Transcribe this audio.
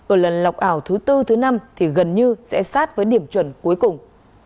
ở lần lọc ảo thứ tư thứ năm thì gần như sẽ sát với điểm chuẩn cuối cùng